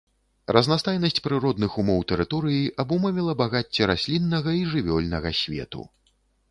Разнастайнасць прыродных умоў тэрыторыі абумовіла багацце расліннага і жывёльнага свету.